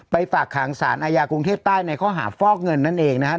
ฝากขังสารอาญากรุงเทพใต้ในข้อหาฟอกเงินนั่นเองนะครับ